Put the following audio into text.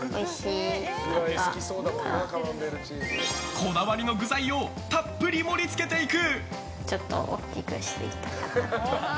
こだわりの具材をたっぷり盛り付けていく。